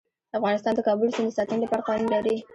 افغانستان د کابل سیند د ساتنې لپاره قوانین لري.